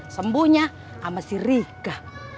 sembunya sama si rika